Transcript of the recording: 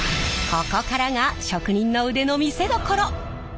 ここからが職人の腕の見せどころ！